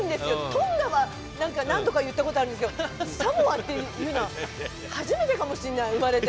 トンガは何か何度か言ったことあるんですけどサモアって言うのは初めてかもしれない生まれて。